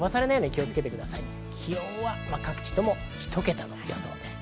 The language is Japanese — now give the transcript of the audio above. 気温は各地とも、ひと桁の予想です。